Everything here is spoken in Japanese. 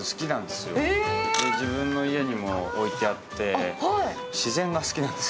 自分の家にも置いてあって。